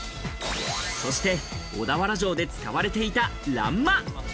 そして小田原城で使われていた欄間。